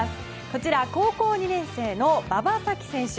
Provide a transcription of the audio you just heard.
こちら高校２年生の馬場咲希選手。